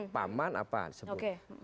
paman apa disebut